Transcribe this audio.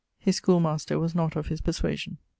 His schoolmaster was not of his perswasion.